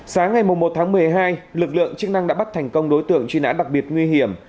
sáng ngày một tháng một mươi hai lực lượng chức năng đã bắt thành công đối tượng truy nã đặc biệt nguy hiểm